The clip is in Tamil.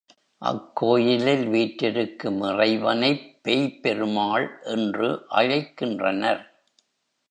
அக் கோயிலில் வீற்றிருக்கும் இறைவனைப் பேய்ப் பெருமாள் என்று அழைக்கின்றனர்.